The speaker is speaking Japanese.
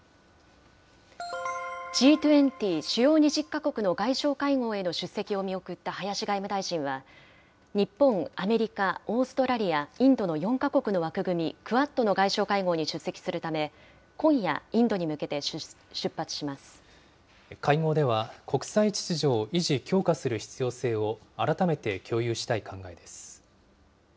Ｇ２０・主要２０か国の外相会合への出席を見送った林外務大臣は、日本、アメリカ、オーストラリア、インドの４か国の枠組み、クアッドの外相会合に出席するため、今会合では、国際秩序を維持・強化する必要性を改めて共有したい考えです。